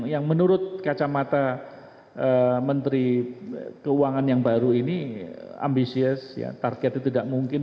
yang menurut kacamata menteri keuangan yang baru ini ambisius targetnya tidak mungkin